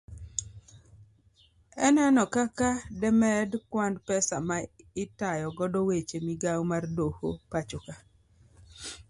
Eneno kaka demed kwand pesa ma itayo godo weche migao mar doho pachoka